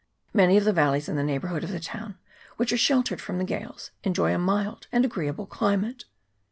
Many of the valleys in the neighbourhood of the town, which are sheltered from the gales, enjoy a mild and agreeable climate.